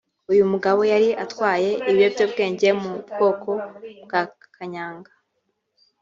uyu mugabo yari atwaye ibiyobyabwenge byo mu bwoko bwa kanyanga